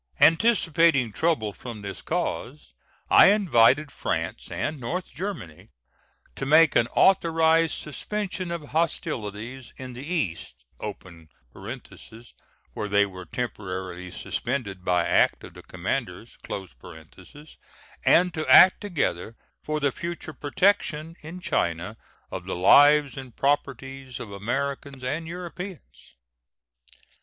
Anticipating trouble from this cause, I invited France and North Germany to make an authorized suspension of hostilities in the East (where they were temporarily suspended by act of the commanders), and to act together for the future protection in China of the lives and properties of Americans and Europeans.